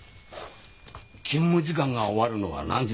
勤務時間が終わるのは何時ですか？